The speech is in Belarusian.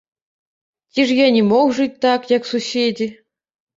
Ці ж я не мог жыць так, як суседзі?